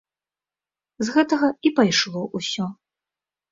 З гэтага і пайшло ўсё.